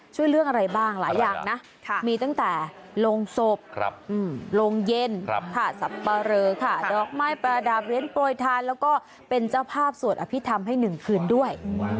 ช่วยเรื่องอะไรบ้างหลายอย่างนะมีตั้งแต่โรงศพโรงเย็นค่ะสับปะเรอค่ะดอกไม้ประดับเหรียญโปรยทานแล้วก็เป็นเจ้าภาพสวดอภิษฐรรมให้๑คืนด้วย